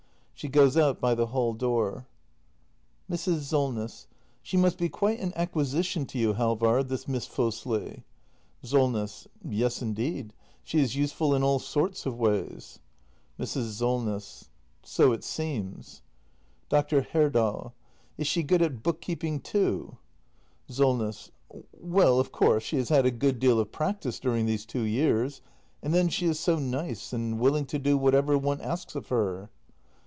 [She goes out by the hall door. Mrs. Solness. She must be quite an acquisition to you, Halvard, this Miss Fosli. Solness. Yes, indeed. She is useful in all sorts of ways. Mrs. Solness. So it seems Dr. Herdal. Is she good at book keeping too ? Solness. Well — of course she has had a good deal of practice during these two years. And then she is so nice and willing to do whatever one asks of her.